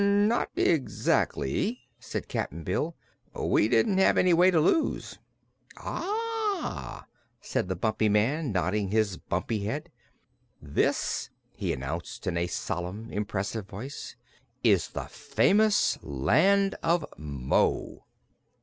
"Not exactly," said Cap'n Bill. "We didn't have any way to lose." "Ah!" said the Bumpy Man, nodding his bumpy head. "This," he announced, in a solemn, impressive voice, "is the famous Land of Mo."